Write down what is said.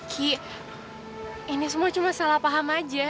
ki ini semua cuma salah paham aja